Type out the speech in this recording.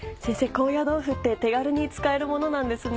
高野豆腐って手軽に使えるものなんですね。